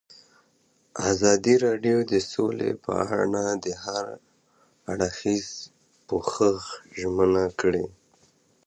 ازادي راډیو د سوله په اړه د هر اړخیز پوښښ ژمنه کړې.